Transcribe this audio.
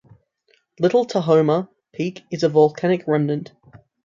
Little Tahoma Peak is a volcanic remnant.